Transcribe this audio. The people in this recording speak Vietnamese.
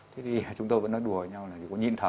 thế thì chúng tôi vẫn nói đùa với nhau là nhịn thở